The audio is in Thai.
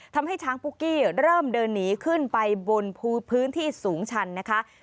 ทำให้ช้างปุ๊กกี้เริ่มเดินหนีขึ้นไปบนพื้นที่สูงชันนะคะ